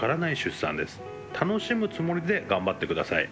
楽しむつもりで頑張ってください。